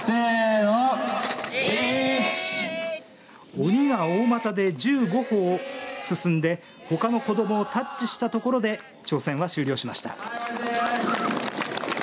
鬼が大股で１５歩進んでほかの子どもたちをタッチしたところで挑戦は終了しました。